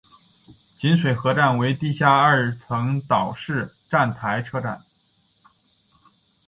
锦水河站为地下二层岛式站台车站。